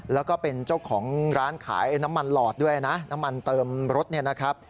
แล้วก็เป็นเจ้าของร้านขายน้ำมันหลอดด้วยนะน้ำมันเติมรถเนี่ยนะครับ